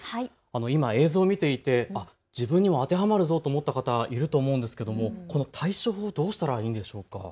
今、映像を見ていて自分にも当てはまるぞと思った方、いると思うんですが、対処法、どうしたらいいんでしょうか。